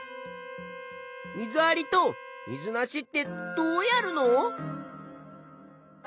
水ありと水なしってどうやるの？